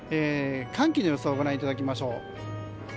寒気の予想をご覧いただきましょう。